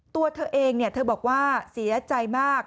ตัวเธอเองเธอบอกว่าเสียใจมาก